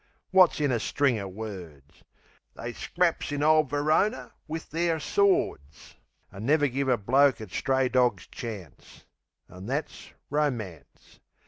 Wot's in a string o' words? They scraps in ole Verona with the'r swords, An' never give a bloke a stray dog's chance, An' that's Romance.